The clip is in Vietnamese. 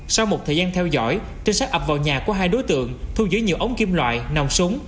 sau một thời gian theo dõi trinh sát ập vào nhà của hai đối tượng thu dưới nhiều ống kim loại nòng súng